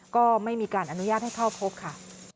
ก็ไม่มีการอนุญาตให้เข้าพบค่ะ